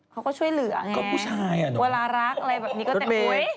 เขาก็ช่วยเหลืองเวลารักแบบนี้ก็แต่โอ๊ย